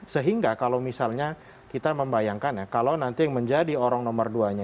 sehingga kalau misalnya kita membayangkan ya kalau nanti yang menjadi orang nomor duanya